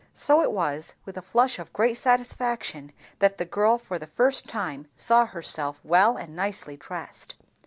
So it was with a gush of great satisfaction that the girl for the first time saw herself well and nicely dressed.